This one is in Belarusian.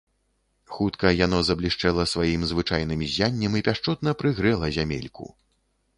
Хутка яно заблішчэла сваім звычайным ззяннем і пяшчотна прыгрэла зямельку.